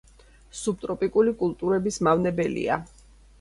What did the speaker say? სუბტროპიკული კულტურების მავნებელია.